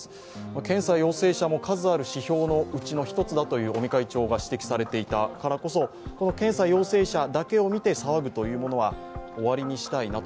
検査陽性者も数ある指標のうちの一つであると尾身会長も指摘されていたのでこの検査陽性者だけを見て騒ぐのは終わりにしたいなと。